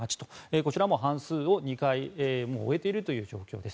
こちらも半数が２回終えているという状況です。